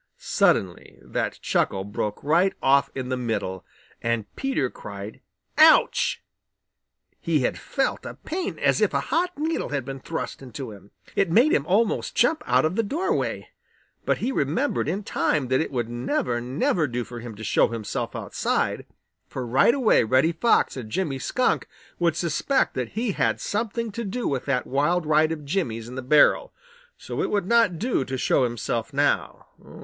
Suddenly that chuckle broke right off in the middle, and Peter cried "Ouch!" He had felt a pain as if a hot needle had been thrust into him. It made him almost jump out of the doorway. But he remembered in time that it would never, never do for him to show himself outside, for right away Reddy Fox and Jimmy Skunk would suspect that he had had something to do with that wild ride of Jimmy's in the barrel. So it would not do to show himself now.